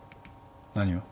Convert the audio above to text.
何を？